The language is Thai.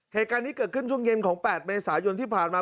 เหตุการณ์นี้เกิดขึ้นช่วงเย็นของ๘เมษายนที่ผ่านมา